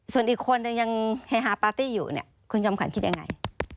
ส่วนอีกคนนึงยังเฮฮาปาร์ตี้อยู่เนี่ยคุณจอมขวัญคิดยังไง